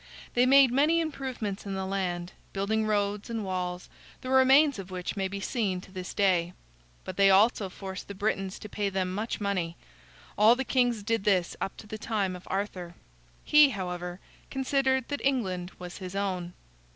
They made many improvements in the land, building roads and walls, the remains of which may be seen to this day. But they also forced the Britons to pay them much money. All the kings did this up to the time of Arthur. He, however, considered that England was his own.